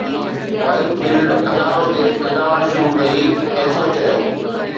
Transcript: white field اڱارو تي پيداوار شروع ڪئي، ايسو چيو